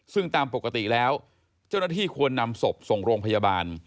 ซึ่งตามปกติแล้วเจ้าหน้าที่ควรนำศพส่งโรงพยาบาล